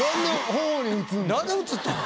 何で映ったん？